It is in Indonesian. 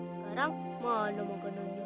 sekarang mana mau kena ini